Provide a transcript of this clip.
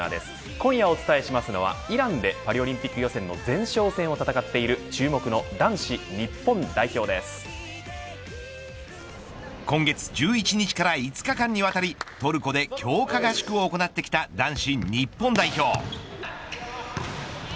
今夜お伝えしますのはイランでパリオリンピック予選の前哨戦を戦っている今月１１日から５日間にわたりトルコで強化合宿を行ってきた男子日本代表。